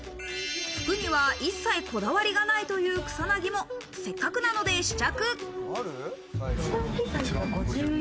服には一切こだわりがないという草薙もせっかくなので試着。